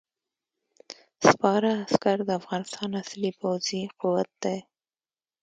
سپاره عسکر د افغانستان اصلي پوځي قوت دی.